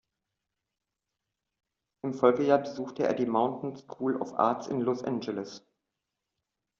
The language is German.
Im Folgejahr besuchte er die Mountain School of Arts in Los Angeles.